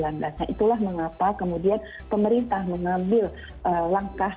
nah itulah mengapa kemudian pemerintah mengambil langkah